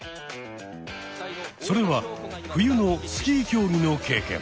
それは冬のスキー競技の経験。